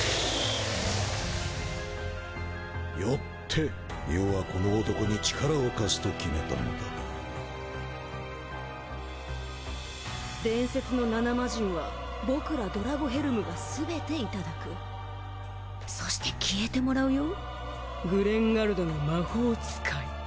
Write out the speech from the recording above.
よって余はこの男に力を貸すと決めたのだ伝説の７マジンは僕らドラゴヘルムがすべていただくそして消えてもらうよグレンガルドの魔法使い